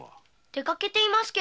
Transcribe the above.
出かけていますけど。